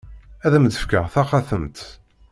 Ad am-d-fkeɣ taxatemt.